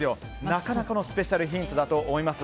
なかなかのスペシャルヒントだと思います。